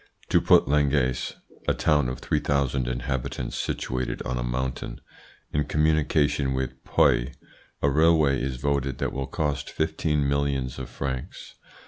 To put Langayes (a town of 3,000 inhabitants, situated on a mountain) in communication with Puy, a railway is voted that will cost 15 millions of francs.